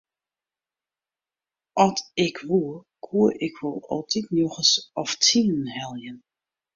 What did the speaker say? At ik woe koe ik wol altyd njoggens of tsienen helje.